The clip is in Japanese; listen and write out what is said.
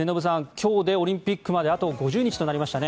今日でオリンピックまであと５０日となりましたね。